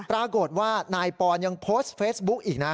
ปรากฏว่านายปอนยังโพสต์เฟซบุ๊กอีกนะ